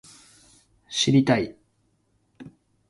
知りたい